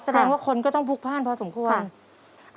แสดงว่าคนก็ต้องพลุกพ่านพอสมควร